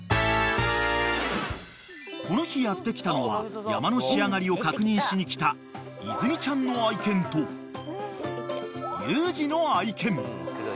［この日やって来たのは山の仕上がりを確認しに来た泉ちゃんの愛犬とユージの愛犬］